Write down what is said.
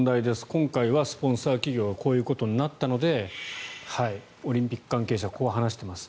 今回はスポンサー企業がこういうことになったのでオリンピック関係者こう話しています。